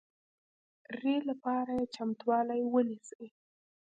ري لپاره یې چمتوالی ونیسئ